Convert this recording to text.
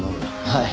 はい。